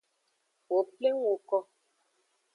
Wo pleng woko.